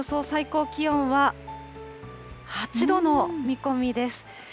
最高気温は、８度の見込みです。